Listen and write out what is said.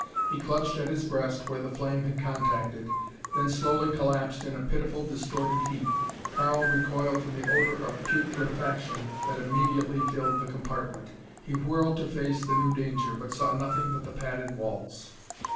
He clutched at his breast where the flame had contacted, then slowly collapsed in a pitiful, distorted heap. Karl recoiled from the odor of putrefaction that immediately filled the compartment. He whirled to face the new danger but saw nothing but the padded walls.